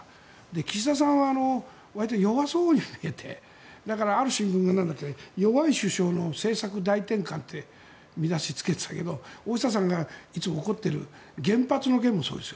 岸田さんはわりと弱そうに言ってて、ある種弱い首相の政策大転換って見出しをつけてたけど大下さんがいつも怒ってる原発の件もそうです。